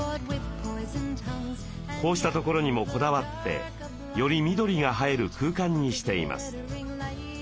こうしたところにもこだわってより緑が映える空間にしています。